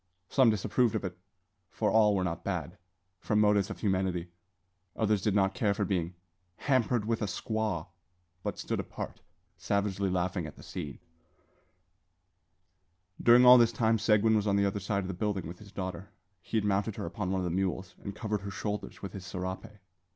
Some disapproved of it (for all were not bad) from motives of humanity. Others did not care for being "hampered with a squaw," but stood apart, savagely laughing at the scene. During all this time Seguin was on the other side of the building with his daughter. He had mounted her upon one of the mules, and covered her shoulders with his serape.